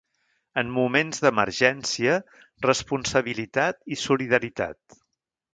En moments d'emergència, responsabilitat i solidaritat!